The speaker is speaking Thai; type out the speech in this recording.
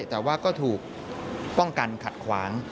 แต่ว่าก็ถูกป้องกันขัดขวาง